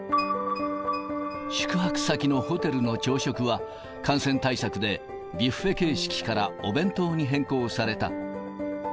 宿泊先のホテルの朝食は、感染対策でビュッフェ形式からお弁当に変更された。